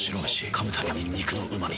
噛むたびに肉のうま味。